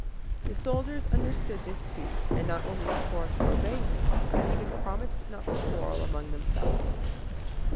The soldiers understood this too, and not only swore to obey him, but even promised not to quarrel among themselves.